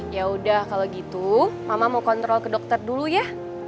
ya udah kalau gitu mama mau kontrol ke dokter dulu ya